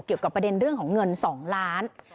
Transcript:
เกี่ยวกับประเด็นเรื่องของเงิน๒ล้าน